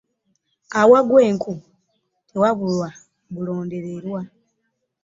Awagwa ekku tewabula bulondererwa.